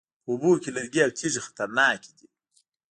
په اوبو کې لرګي او تیږې خطرناکې دي